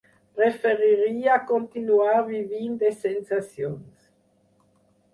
Preferiria continuar vivint de sensacions.